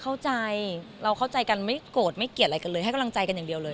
เข้าใจเราเข้าใจกันไม่โกรธไม่เกลียดอะไรกันเลยให้กำลังใจกันอย่างเดียวเลย